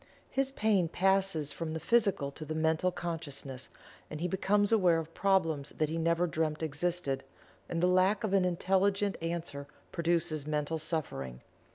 His pain passes from the Physical to the Mental consciousness, and he becomes aware of problems that he never dreamt existed, and the lack of an intelligent answer produces mental suffering.